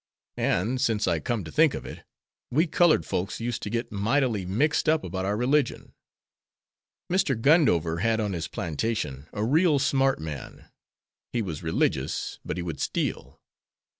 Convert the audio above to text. And, since I come to think of it, we colored folks used to get mightily mixed up about our religion. Mr. Gundover had on his plantation a real smart man. He was religious, but he would steal."